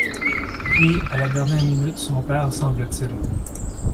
Puis, à la dernière minute son père semble-t-il.